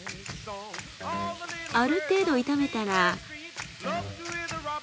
ある程度炒めたら。